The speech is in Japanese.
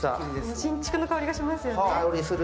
新築の香りがしますよね。